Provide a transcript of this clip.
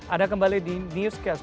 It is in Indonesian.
anda kembali di newscast